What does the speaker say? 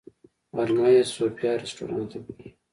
غرمه یې صوفیا رسټورانټ ته بوتلو.